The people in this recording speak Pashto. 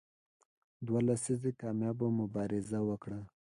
دوه لسیزې کامیابه مبارزه وکړه.